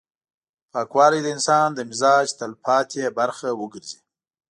پاکوالی د انسان د مزاج تلپاتې برخه وګرځي.